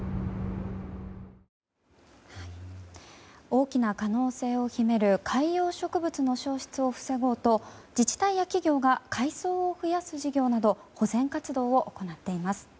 大きな可能性を秘める海洋植物の消失を防ごうと自治体や企業が海藻を増やす事業など保全活動を行っています。